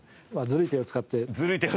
ずるい手を使って。